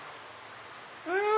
うん！